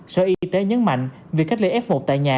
sở y tế nhấn mạnh việc cách ly f một tại nhà